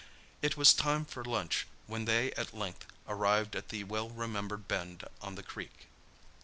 It was time for lunch when they at length arrived at the well remembered bend on the creek.